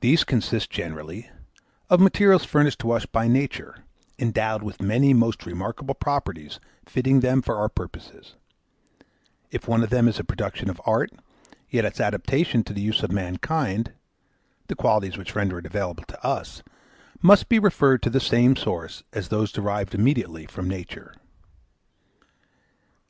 These consist, generally, of materials furnished to us by nature, endowed with many most remarkable properties fitting them for our purposes; if one of them is a production of art, yet its adaptation to the use of mankind, the qualities which render it available to us, must be referred to the same source as those derived immediately from nature.